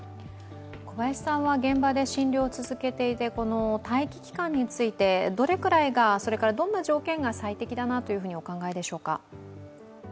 小林さんは現場で診療を続けていて待機期間についてどれくらい、どんな条件が最適だなとお考えでしょうか？